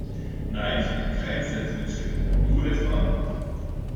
Nein, ich bin kein Sandwich-Kind. Du etwa?